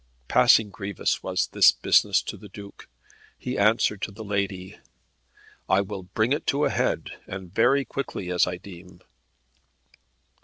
Passing grievous was this business to the Duke. He answered to the lady, "I will bring it to a head, and very quickly, as I deem."